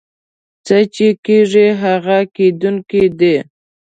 څه چې کېږي هغه کېدونکي دي.